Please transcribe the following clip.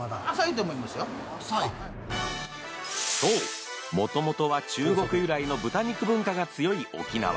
そうもともとは中国由来の豚肉文化が強い沖縄。